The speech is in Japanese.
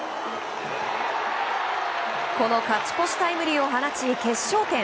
この勝ち越しタイムリーを放ち決勝点。